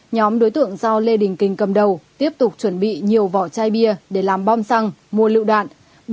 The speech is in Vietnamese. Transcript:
nhóm đối tượng do lê đình kình cầm đầu tiếp tục chuẩn bị nhiều vỏ chai bia để làm bom xăng mua lựu đạn